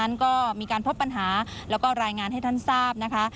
นั้นก็มีการพบปัญหาแล้วก็รายงานให้ท่านทราบนะคะ